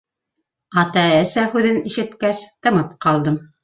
Ата-әсә һүҙен ишеткәс, тымып ҡалдым.